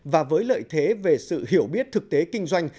và với lợi thế về sự hiểu biết thực tế kinh doanh